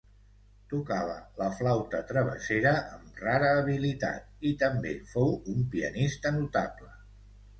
Tocava la flauta travessera amb rara habilitat, i també fou un pianista notable.